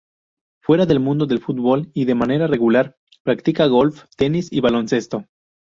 Fuera del mundo del fútbol y de manera regular practica golf, tenis y baloncesto.